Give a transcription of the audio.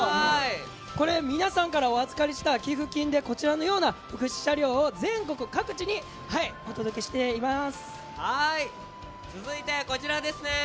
これ、皆さんからお預かりした寄付金で、こちらのような福祉車両を全国各地にお届けしています。